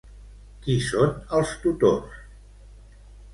Qui són els tutors?